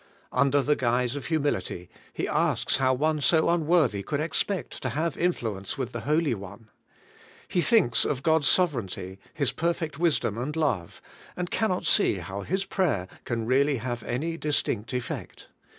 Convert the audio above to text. Under the guise of humility, he asks how one so unworthy could expect to have influence with the Holy One. He thinks of God's sovereignty, His perfect wisdom and love, and cannot see how his prayer can really have any distinct effect.